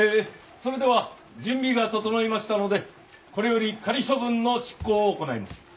それでは準備が整いましたのでこれより仮処分の執行を行います。